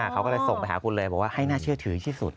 เขาก็เลยส่งไปหาคุณเลยบอกว่าให้น่าเชื่อถือที่สุด